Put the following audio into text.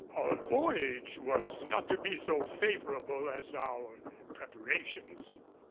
Our voyage was not to be so favorable as our preparations.